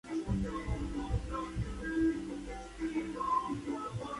Finalizada la temporada el club "armero" le dió la baja.